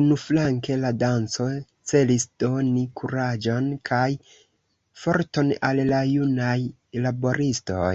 Unuflanke la danco celis doni kuraĝon kaj forton al la junaj laboristoj.